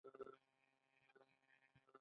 ښوروا د شنو بڼو ساه ده.